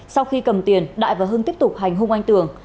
sau khi cầm tiền đại và hưng tiếp tục hành hung anh tường